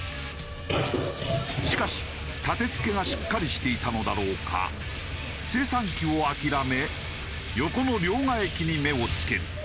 しかし建て付けがしっかりしていたのだろうか精算機を諦め横の両替機に目を付ける。